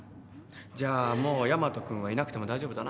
じゃあもうヤマト君はいなくても大丈夫だな。